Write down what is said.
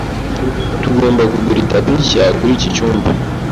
Tugomba kugura itapi nshya kuri iki cyumba.